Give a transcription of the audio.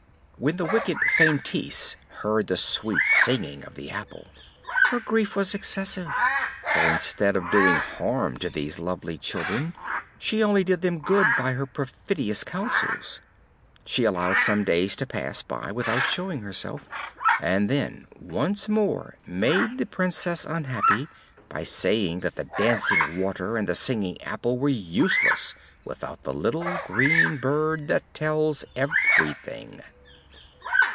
When the wicked Feintise heard the sweet singing of the apple, her grief was excessive, for instead of doing harm to these lovely children, she only did them good by her perfidious counsels. She allowed some days to pass by without showing herself; and then once more made the Princess unhappy by saying that the dancing water and the singing apple were useless without the little green bird that tells everything.